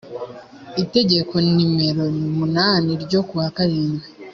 itegeko numero munani ryo kuwa karindwi